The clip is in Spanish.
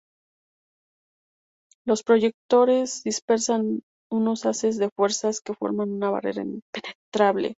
Los proyectores dispersan unos haces de fuerza que forman una barrera impenetrable.